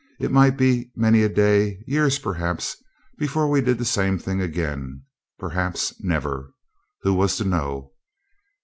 It might be many a day, years perhaps, before we did the same thing again. Perhaps never! Who was to know?